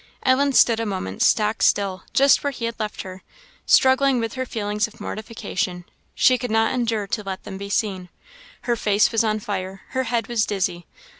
Ellen stood a moment stock still, just where he had left her, struggling with her feelings of mortification; she could not endure to let them be seen. Her face was on fire; her head was dizzy.